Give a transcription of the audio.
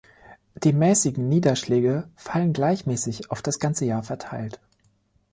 Die mäßigen Niederschläge fallen gleichmäßig auf das ganze Jahr verteilt.